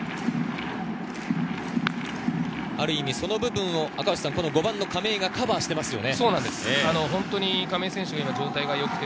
ある意味その部分を５番の亀井がカバーしていますね。